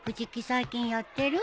最近やってる？